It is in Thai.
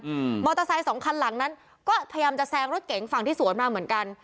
อืมมอเตอร์ไซค์สองคันหลังนั้นก็พยายามจะแซงรถเก๋งฝั่งที่สวนมาเหมือนกัน